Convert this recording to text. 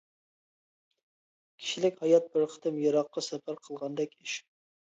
كىشىلىك ھايات بىر قېتىم يىراققا سەپەر قىلغاندەك ئىش.